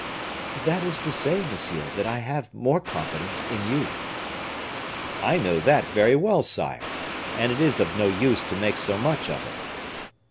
"That is to say, monsieur, that I have more confidence in you." "I know that very well, sire! and it is of no use to make so much of it."